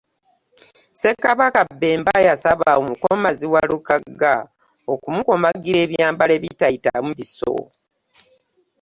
Ssekabaka Bemba yasaba omukomazi Walukagga, okumukomagira ebyambalo ebitayitamu bisso.